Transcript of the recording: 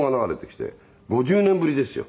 ５０年ぶりですよ。